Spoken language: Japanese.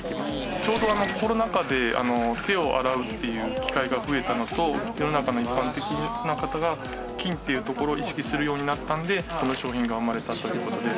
ちょうどコロナ禍で手を洗うっていう機会が増えたのと世の中の一般的な方が菌っていうところを意識するようになったのでこの商品が生まれたという事で。